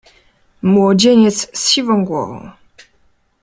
"Młodzieniec z siwą głową."